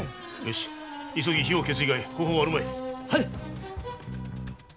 急ぎ火を消す以外方法はあるまい！